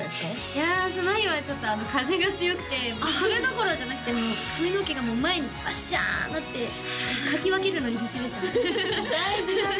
いやその日はちょっと風が強くてそれどころじゃなくて髪の毛が前にワッシャーなってかき分けるのに必死でした大事なね